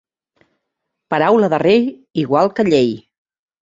Paraula de rei, igual que llei.